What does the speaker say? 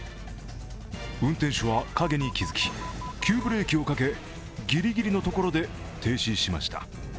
運転手は影に気づき、急ブレーキをかけギリギリのところで停止しました。